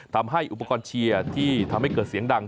ทำให้อุปกรณ์เชียร์ที่ทำให้เกิดเสียงดัง